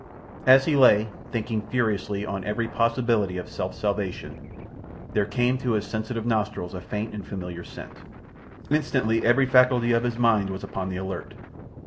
As he lay, thinking furiously on every possibility of self salvation, there came to his sensitive nostrils a faint and a familiar scent. Instantly every faculty of his mind was upon the alert.